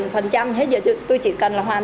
phần trăm hết giờ tôi chỉ cần là hoàn cảnh